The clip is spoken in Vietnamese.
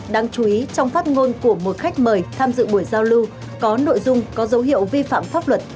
đáng chú ý trong phát ngôn của một khách mời tham dự buổi giao lưu có nội dung có dấu hiệu vi phạm pháp luật